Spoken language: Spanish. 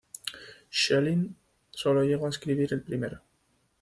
Schelling solo llegó a escribir el primero.